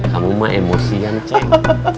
kamu mah emosian ceng